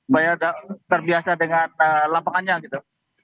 banyak yang terbiasa dengan lapangannya gitu